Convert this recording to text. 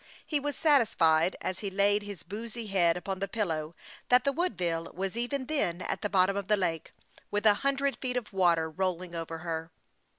He was satisfied, as he laid his boozy head upon the pillow, that the Woodville was even then at the bottom of the lake, with a hundred feet of water rolling over her.